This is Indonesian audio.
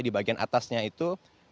di bagian atasnya itu